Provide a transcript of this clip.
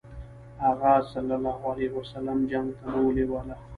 هغه ﷺ جنګ ته نه و لېواله.